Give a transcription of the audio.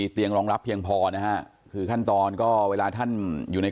เตียงรองรับเพียงพอนะฮะคือขั้นตอนก็เวลาท่านอยู่ใน